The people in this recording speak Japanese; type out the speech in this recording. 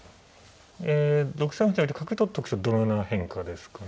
え６三歩じゃなくて角取っとくとどのような変化ですかね。